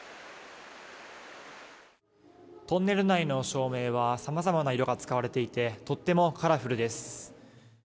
トンネル内の照明はさまざまな色が使われていてとてもカラフルです。